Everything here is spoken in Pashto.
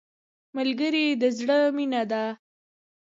ملګری د زړه مینه ده